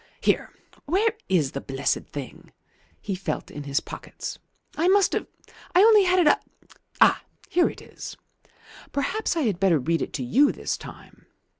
"Here, where is the blessed thing?" He felt in his pockets. "I must have I only had it a Ah, here it is. Perhaps I had better read it to you this time."